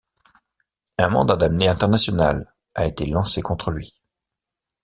Un mandat d'amener international a été lancé contre lui.